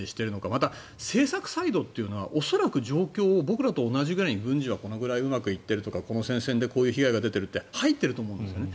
また政策サイドというのは恐らく状況を僕らと同じぐらい、軍事はこのぐらいうまくいっているとかこの戦線でこういう被害が出ているって入っていると思うんですね。